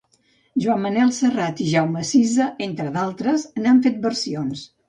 Joan Manuel Serrat i Jaume Sisa, entre d'altres, n'han fet versions.